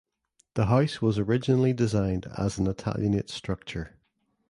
The house was originally designed as an Italianate structure.